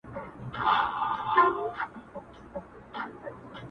ملکې ته ډوډۍ راوړه نوکرانو-